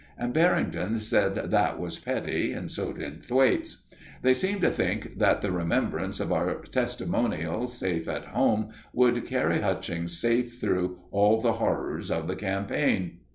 And Barrington said that was petty, and so did Thwaites. They seemed to think that the remembrance of our testimonial safe at home would carry Hutchings safely through all the horrors of the campaign.